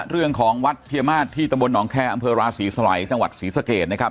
เรื่องของวัดเพียมาสที่ตำบลหนองแคร์อำเภอราศีสลัยจังหวัดศรีสะเกดนะครับ